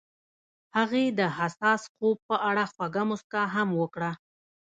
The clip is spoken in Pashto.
هغې د حساس خوب په اړه خوږه موسکا هم وکړه.